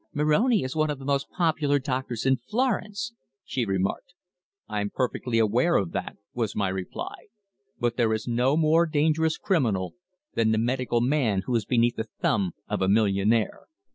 "Moroni is one of the most popular doctors in Florence," she remarked. "I'm perfectly aware of that," was my reply. "But there is no more dangerous criminal than the medical man who is beneath the thumb of a millionaire.